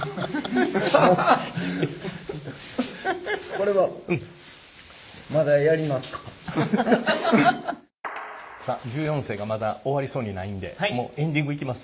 これはさあ１４世がまだ終わりそうにないんでもうエンディングいきます。